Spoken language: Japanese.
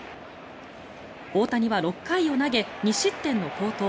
大谷は６回を投げ２失点の好投。